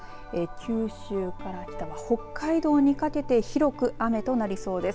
九州から北は北海道にかけて広く雨となりそうです。